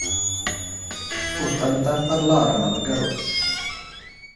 هوټل ته پر لاره ملګرو.